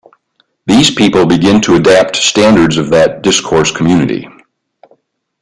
These people begin to adapt to standards of that discourse community.